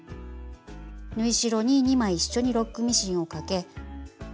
縫い代に２枚一緒にロックミシンをかけ。